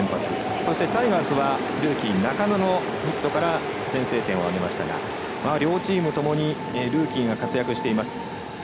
そして、タイガースはルーキー中野のヒットから先制点を挙げましたが両チームともにルーキーが活躍しています。